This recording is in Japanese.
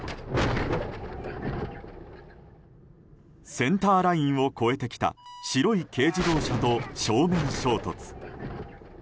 センターラインを越えてきた白い軽自動車と正面衝突。